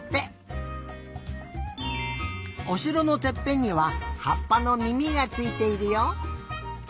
おしろのてっぺんにははっぱのみみがついているよ。